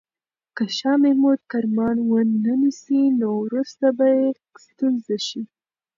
که شاه محمود کرمان ونه نیسي، نو وروسته به یې ستونزه شي.